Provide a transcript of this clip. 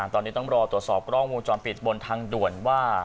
ตอนนี้ต้องรอตรวจสอบกล้องวงจรปิดบนทางด่วนว่า